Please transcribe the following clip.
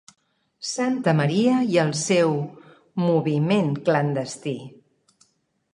Santamaria i el seu "moviment" clandestí.